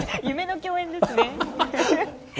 夢の共演ですね。